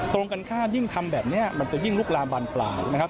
ตรงกันข้ามยิ่งทำแบบนี้มันจะยิ่งลุกลามบานปลายนะครับ